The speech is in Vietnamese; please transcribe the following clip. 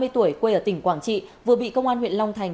ba mươi tuổi quê ở tỉnh quảng trị vừa bị công an huyện long thành